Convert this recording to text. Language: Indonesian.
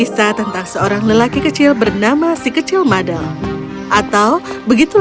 si kecil madel